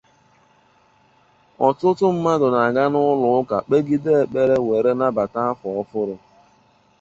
Ọtụtụ mmadụ na-aga n’ụlọ ụka kpegide ekpere were nabata afọ ọhụrụ.